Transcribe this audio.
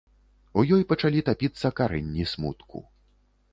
У ёй пачалі тапіцца карэнні смутку.